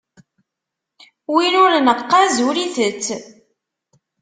Win ur neqqaz ur itett.